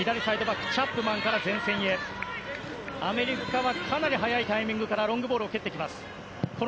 アメリカはかなり早いタイミングからロングボールを蹴ってきます。